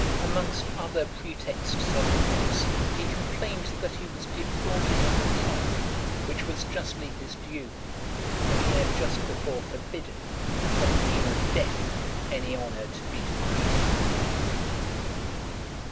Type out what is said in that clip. Amongst other pretexts of offence, he complained that he was defrauded of a triumph, which was justly his due, though he had just before forbidden, upon pain of death, any honour to be decreed him.